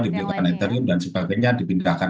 dibeli ethereum dan sebagainya dipindahkan